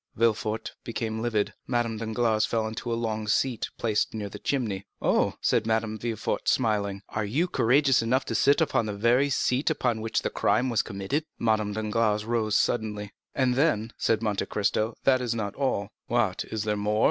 Villefort became livid; Madame Danglars fell into a long seat placed near the chimney. "Oh," said Madame de Villefort, smiling, "are you courageous enough to sit down upon the very seat perhaps upon which the crime was committed?" Madame Danglars rose suddenly. "And then," said Monte Cristo, "this is not all." "What is there more?"